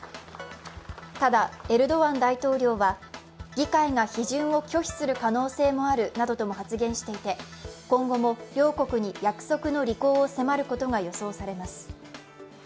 ただ、エルドアン大統領は議会が批准を拒否する可能性もあるなどとも発言していて今後も両国に約束の履行を迫ることが予想されます。